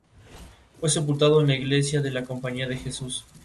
Actualmente todavía sería empleado en Operaciones especiales de la policía.